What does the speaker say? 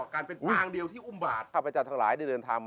คุณหนุ่มกัญชัยคุณรับมีอะไร